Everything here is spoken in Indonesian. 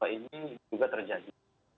ini juga terjadi